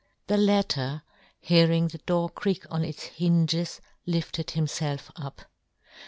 The latter hearing the door creak on its hinges lifted himfelf up.